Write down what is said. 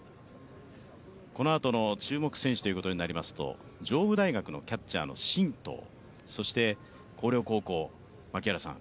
このあとの注目選手ということになりますと上武大学の基地の進藤、そして、広陵高校、槙原さん